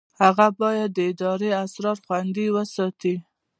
هغه باید د ادارې اسرار خوندي وساتي.